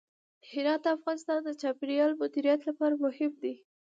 هرات د افغانستان د چاپیریال د مدیریت لپاره مهم دی.